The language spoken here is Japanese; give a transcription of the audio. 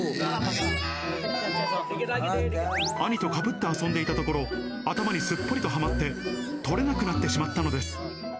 兄とかぶって遊んでいたところ、頭にすっぽりとはまって取れなくなってしまったのです。